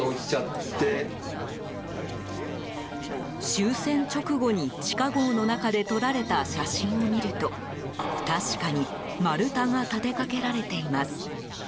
終戦直後に、地下壕の中で撮られた写真を見ると確かに、丸太が立てかけられています。